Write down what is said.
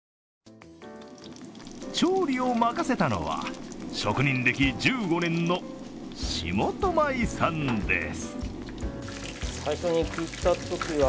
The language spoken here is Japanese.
調理を任せたのは職人歴１５年の下斗米さんです。